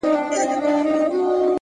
مهرباني د انسانیت تر ټولو ساده ځواک دی،